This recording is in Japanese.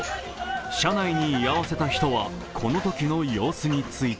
車内に居合わせた人は、このときの様子について。